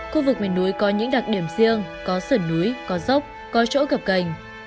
khu vực miền núi có những đặc điểm riêng có sườn núi có dốc có chỗ gặp cành